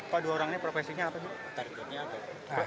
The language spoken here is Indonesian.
pak dua orangnya profesi apa